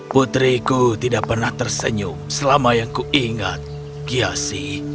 putriku tidak pernah tersenyum selama yang kuingat kiasi